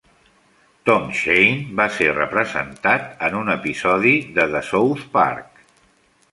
Tom Shane va ser representat en un episodi de "South Park".